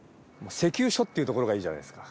石油所っていうところがいいじゃないですか。